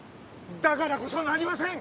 だからこそなりません！